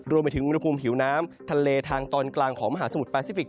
รวมไปถึงอุณหภูมิผิวน้ำทะเลทางตอนกลางของมหาสมุทรแปซิฟิก